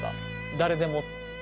誰でも。